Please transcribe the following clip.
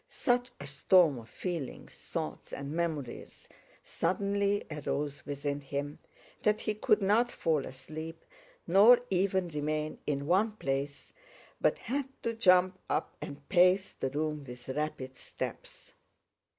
Such a storm of feelings, thoughts, and memories suddenly arose within him that he could not fall asleep, nor even remain in one place, but had to jump up and pace the room with rapid steps.